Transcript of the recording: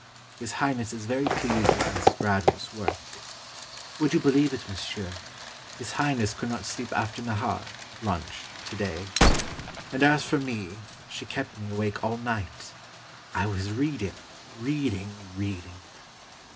His Highness is very pleased with Miss Braddon's work. Would you believe it, monsieur, His Highness could not 393 PERSIA sleep after nahar (lunch) to day! and as for me, she kept me awake all night; I was reading, reading, reading!"